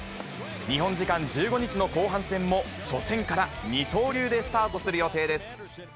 日本時間１５日の後半戦も、初戦から二刀流でスタートする予定です。